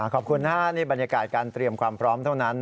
ขอบคุณนะฮะนี่บรรยากาศการเตรียมความพร้อมเท่านั้น